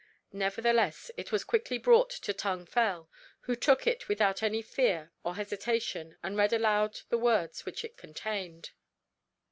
Nevertheless it was quickly brought to Tung Fel, who took it without any fear or hesitation and read aloud the words which it contained.